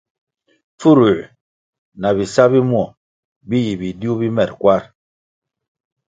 Pfurųer na bisa bi muo bi yi bidiuh bi mer kwar.